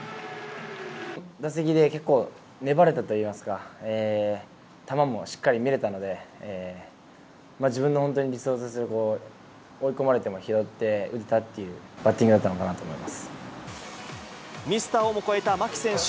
打席で結構粘れたといいますか、球もしっかり見れたので、自分の本当に理想とする、追い込まれても拾って、打てたというバッティングだったのかなと思いまミスターをも超えた牧選手。